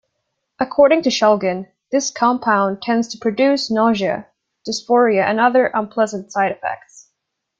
According to Shulgin, this compound tends to produce nausea, dysphoria, and other unpleasant side-effects.